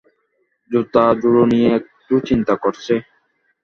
জুতা জোড়া নিয়ে একটু চিন্তা করছে।